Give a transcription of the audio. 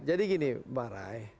jadi gini pak rey